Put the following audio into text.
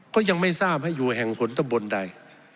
ก็ยังไม่ทราบให้อยู่แห่งขนตะบนใด